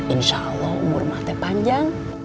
insya allah umur mbak teh panjang